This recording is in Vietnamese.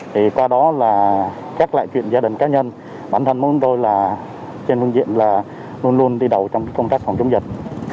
thì qua đó là các loại chuyện gia đình cá nhân bản thân chúng tôi là trên phương diện là luôn luôn đi đầu trong công tác phòng chống dịch